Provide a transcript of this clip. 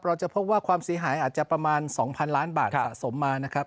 เราจะพบว่าความเสียหายอาจจะประมาณ๒๐๐ล้านบาทสะสมมานะครับ